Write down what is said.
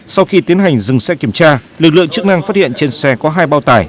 sau khi tiến hành dừng xe kiểm tra lực lượng chức năng phát hiện trên xe có hai bao tải